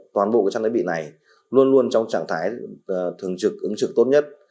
toàn bộ trang thiết bị này luôn luôn trong trạng thái thường trực ứng trực tốt nhất